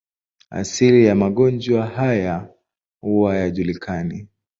Asili ya magonjwa haya huwa hayajulikani.